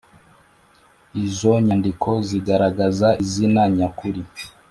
izo nyandiko zigaragaza izina nyakuri